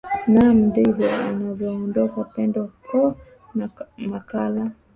naam ndivyo anavyoondoka pendo po na makala